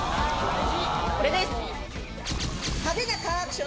これです。